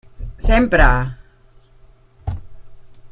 Sempre!